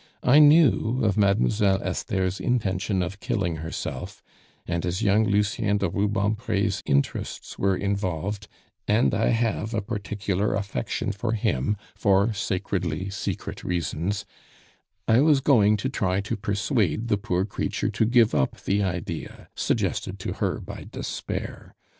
I knew of Mademoiselle Esther's intention of killing herself; and as young Lucien de Rubempre's interests were involved, and I have a particular affection for him for sacredly secret reasons, I was going to try to persuade the poor creature to give up the idea, suggested to her by despair.